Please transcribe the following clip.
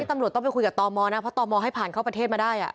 ตำรวจต้องไปคุยกับตมนะเพราะตมให้ผ่านเข้าประเทศมาได้